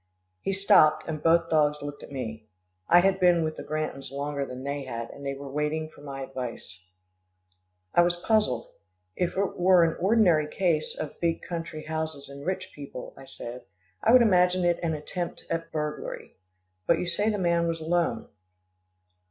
He stopped, and both dogs looked at me. I had been with the Grantons longer than they had, and they were waiting for my advice. I was puzzled. "If it were an ordinary case of big country houses and rich people," I said, "I would imagine it an attempt at burglary. But you say the man was alone."